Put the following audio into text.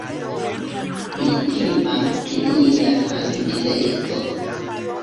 Mi timas pri mia trankvileco!